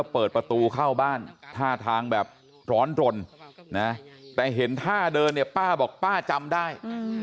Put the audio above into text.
เปิดประตูเข้าบ้านท่าทางแบบร้อนรนนะแต่เห็นท่าเดินเนี่ยป้าบอกป้าจำได้